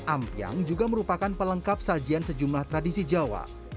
ampiang juga merupakan pelengkap sajian sejumlah tradisi jawa